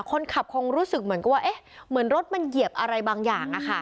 คนขับคงรู้สึกเหมือนกับว่าเหมือนรถมันเหยียบอะไรบางอย่าง